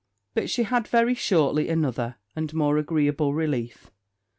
But she had very shortly another and more agreeable relief.